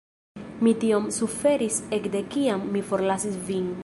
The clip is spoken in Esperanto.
Mi tiom suferis ekde kiam mi forlasis vin.